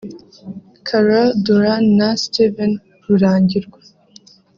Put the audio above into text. Carol Duran na Steven Rurangirwa